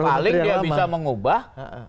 paling dia bisa mengubah